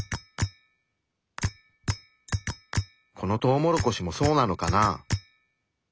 このトウモロコシもそうなのかな？